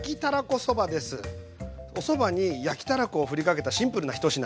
おそばに焼きたらこをふりかけたシンプルな一品。